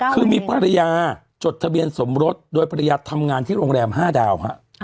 คือมีภรรยาจดทะเบียนสมรสโดยภรรยาทำงานที่โรงแรม๕ดาวฮะ